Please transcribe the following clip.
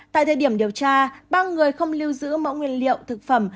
tại thời điểm điều tra ba người không lưu giữ mẫu nguyên liệu thực phẩm